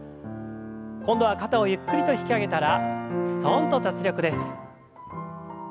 今度は肩をゆっくりと引き上げたらすとんと脱力です。